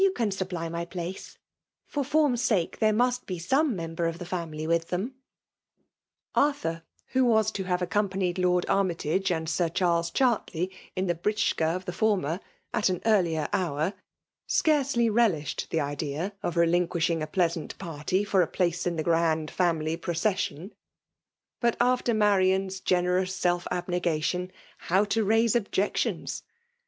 can supply my place. Rmt fom'a sake, there must be some member of tho' family with them.'* Arthur, who was to have accompanied Lord Armytage and Sir Charles Chartley in the biitschka of the {brmer> at an earlier hour, scafcely relished the idea of relinqaidiing a plieauiant party, for a place in the grand fiunily procession; but after Macian's generous self abnegation, — how to raise objections?